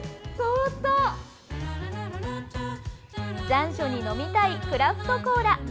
残暑に飲みたいクラフトコーラ。